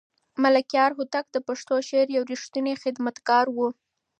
ملکیار هوتک د پښتو شعر یو رښتینی خدمتګار و.